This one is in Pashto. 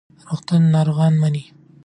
روغتونونه ناروغان مني.